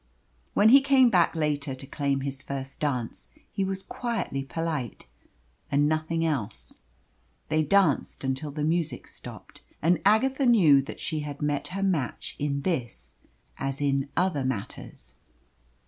When he came back later to claim his first dance, he was quietly polite, and nothing else. They danced until the music stopped, and Agatha knew that she had met her match in this as in other matters.